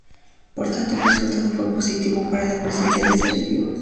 Por tanto el resultado fue positivo para la presencia de seres vivos.